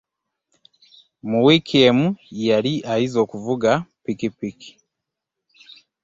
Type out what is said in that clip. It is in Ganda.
Mu wiiki emu yali ayize okuvuga pikipiki.